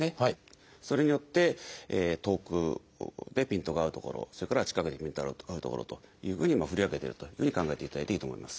それによって遠くでピントが合う所それから近くでピントが合う所というふうに振り分けてるというふうに考えていただいていいと思います。